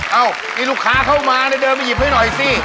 เอ้ามีลูกค้าเข้ามาเนี่ยเดินไปหยิบให้หน่อยสิ